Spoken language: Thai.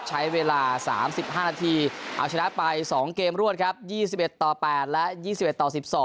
ใช้เวลา๓๕นาทีเอาชนะไป๒เกมรวดครับ๒๑ต่อ๘และ๒๑ต่อ๑๒